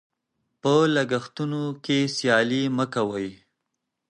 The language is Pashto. په لګښتونو کې سیالي مه کوئ.